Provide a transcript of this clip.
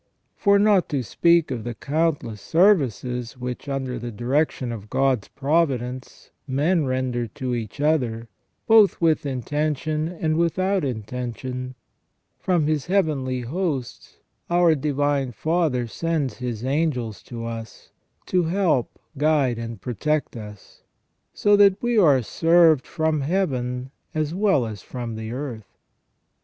For, not to speak of the countless services which, under the direction of God's providence, men render to each other, both with intention and without intention, from His Heavenly Hosts our Divine Father sends His angels to us, to help, guide, and protect us; so that we are served from Heaven as well as from the earth.